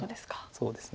そうですね。